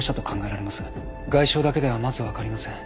外傷だけではまず分かりません。